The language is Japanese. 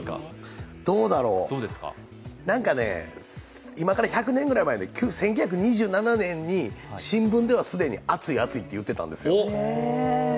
どうだろう、なんかね、今から１００年ぐらい前の１９２７年に新聞では既に「暑い、暑い」って言ってたんですよ。